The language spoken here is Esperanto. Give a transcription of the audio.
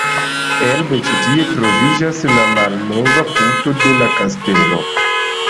Elbe ĉi tie troviĝis la malnova puto de la kastelo.